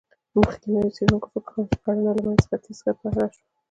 مخکېنو څېړونکو فکر کاوه، چې کرنه له منځني ختیځ خپره شوه.